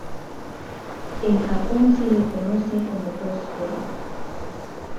En Japón se le conoce como Gospel.